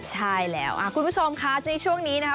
ใช่แล้วคุณผู้ชมค่ะในช่วงนี้นะครับ